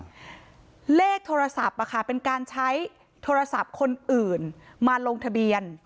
เลขโทรศัพท์เป็นการใช้โทรศัพท์คนอื่นมาลงทะเบียน